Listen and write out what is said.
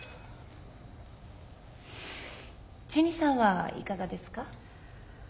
ジュニさんはいかがですか？